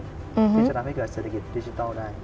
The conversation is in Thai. ที่จะทำให้เกิดเศรษฐกิจดิจิทัลได้